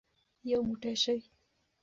یو موټی شئ.